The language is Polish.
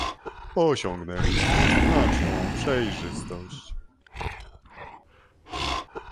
Osiągnęliśmy znaczną przejrzystość